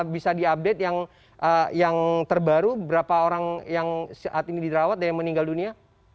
bisa diupdate yang terbaru berapa orang yang saat ini dirawat dan yang meninggal dunia